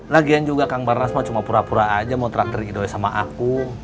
lagian juga kang barnas mah cuma pura pura aja mau traktir idoi sama aku